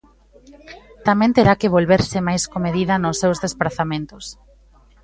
Tamén terá que volverse máis comedida nos seus desprazamentos.